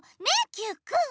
Ｑくん。